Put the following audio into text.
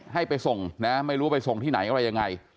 ให้ไปส่งนะไม่รู้ว่าไปส่งที่ไหนอะไรยังไง